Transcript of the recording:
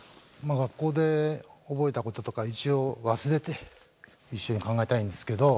学校で覚えたこととか一応忘れて一緒に考えたいんですけど。